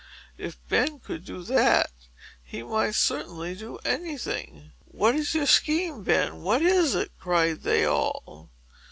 If Ben could do that, he might certainly do any thing. "What is your scheme, Ben?—what is it?" cried they all.